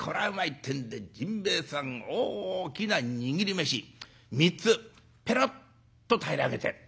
ってんで甚兵衛さん大きな握り飯３つぺろっと平らげて。